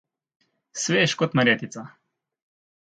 Svež kot marjetica.